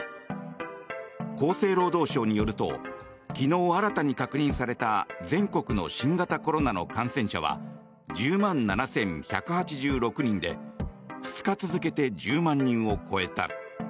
厚生労働省によると昨日、新たに確認された全国の新型コロナの感染者は１０万７１８６人で２日続けて１０万人を超えた。